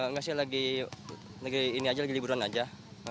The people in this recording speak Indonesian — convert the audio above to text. ngasih lagi ini aja lagi liburan aja